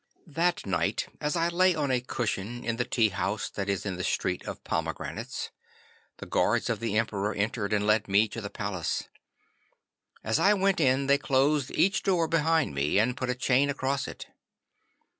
'That night, as I lay on a cushion in the tea house that is in the Street of Pomegranates, the guards of the Emperor entered and led me to the palace. As I went in they closed each door behind me, and put a chain across it.